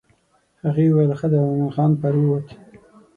هغې وویل ښه دی او مومن خان پر ووت.